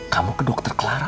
kamu ke dokter clara